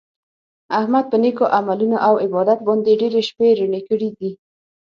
احمد په نېکو عملونو او عبادت باندې ډېرې شپې رڼې کړي دي.